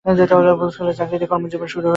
স্কুলের চাকরি দিয়ে কর্মজীবন শুরু।